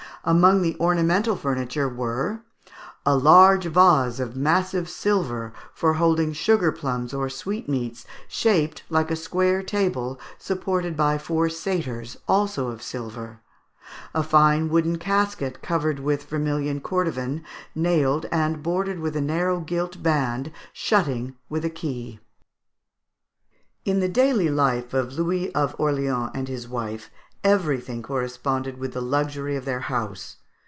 Among the ornamental furniture were "A large vase of massive silver, for holding sugar plums or sweetmeats, shaped like a square table, supported by four satyrs, also of silver; a fine wooden casket, covered with vermilion cordovan, nailed, and bordered with a narrow gilt band, shutting with a key." [Illustration: Fig. 52. Bronze Chandeliers of the Fourteenth Century (Collection of M. Ach. Jubinal).] In the daily life of Louis of Orleans and his wife, everything corresponded with the luxury of their house.